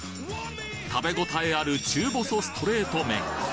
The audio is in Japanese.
食べ応えある中細ストレート麺。